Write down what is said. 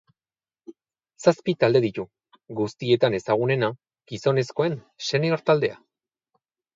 Zazpi talde ditu; guztietan ezagunena, gizonezkoen senior taldea.